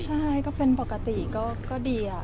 ใช่ก็เป็นปกติก็ดี